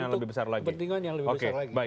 untuk kepentingan yang lebih besar